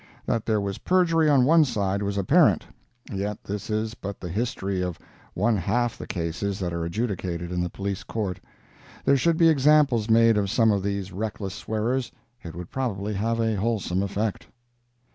That there was perjury on one side, was apparent. Yet this is but the history of one half the cases that are adjudicated in the Police Court. There should be examples made of some of these reckless swearers. It would probably have a wholesome effect.